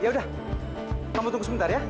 yaudah kamu tunggu sebentar ya